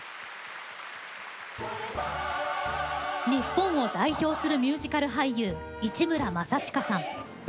日本を代表するミュージカル俳優、市村正親さん。